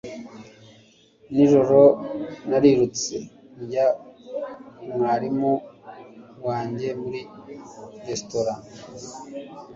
nijoro narirutse njya mwarimu wanjye muri resitora